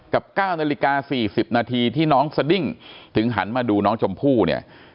๙นาฬิกา๔๐นาทีที่น้องสดิ้งถึงหันมาดูน้องชมพู่เนี่ย